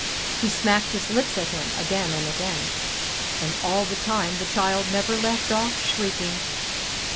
He smacked his lips at him again and again. And all the time the child never left off shrieking.